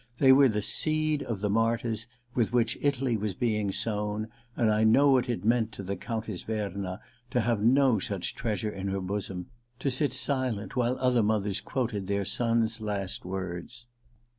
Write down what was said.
They were the * seed of the martyrs ' with which Italy was being sown ; and I knew what it meant to the Countess Verna to have no such treasure in her bosom, to sit silent while other mothers quoted their sons' last words.